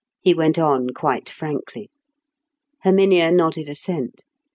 he went on quite frankly. Herminia nodded assent.